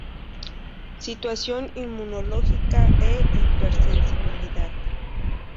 Situación inmunológica e hipersensibilidad.